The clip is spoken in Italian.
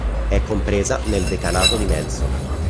È compresa nel decanato di Melzo.